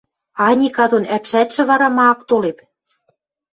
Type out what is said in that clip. Аника дон ӓпшӓтшӹ вара ма ак толеп?